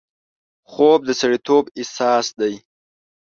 خوب د سړیتوب اساس دی